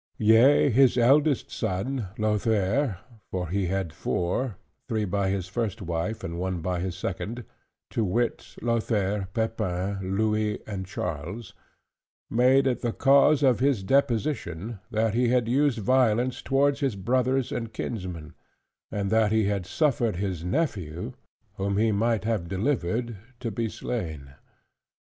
Yea his eldest son, Lothair (for he had four, three by his first wife, and one by his second; to wit, Lothair, Pepin, Louis, and Charles), made it the cause of his deposition, that he had used violence towards his brothers and kinsmen; and that he had suffered his nephew (whom he might have delivered) to be slain.